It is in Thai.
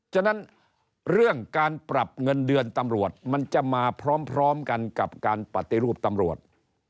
ฉะนั้นเรื่องการปรับเงินเดือนตำรวจมันจะมาพร้อมกันกับการปฏิรูปตำรวจ